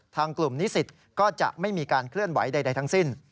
ทางกลุ่มนิสิตก็จะไม่มีการเคลื่อนไหวใดทั้งสิ้น